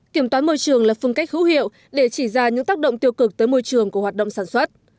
kiểm toán môi trường là phương cách hữu hiệu để chỉ ra những tác động tiêu cực tới môi trường của hoạt động sản xuất